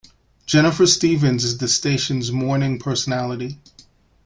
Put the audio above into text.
Jennifer Stephens is the station's morning personality.